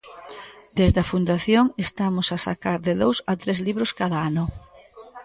Desde a Fundación estamos a sacar de dous a tres libros cada ano.